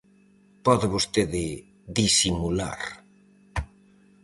Pode vostede disimular.